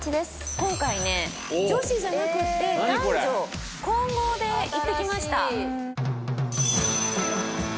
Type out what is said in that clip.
今回ね女子じゃなくって男女混合で行ってきました。